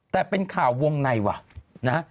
แต่เป็นข่าววงในว่ะ